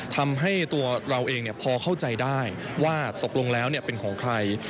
ทำให้ตัวเราเองพอเข้าใจได้ว่าตกลงแล้วเป็นของใคร